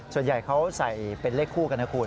ส่วนใหญ่เขาใส่เป็นเลขคู่กันนะคุณ